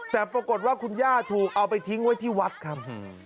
แต่ปรากฏว่าคุณย่าถูกเอาไปทิ้งไว้ที่วัดครับ